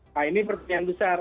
nah ini pertanyaan besar